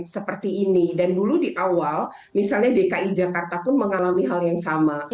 jadi ini dan dulu di awal misalnya dki jakarta pun mengalami hal yang sama